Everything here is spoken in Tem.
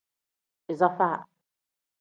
Iza faa.